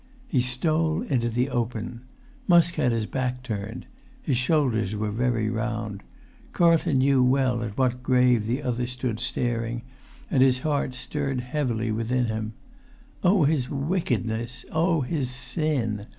He stole into the open. Musk had his back turned; his shoulders were very round. Carlton knew well at what grave the other stood staring, and his heart stirred heavily within him. Oh, his wickedness! Oh, his sin!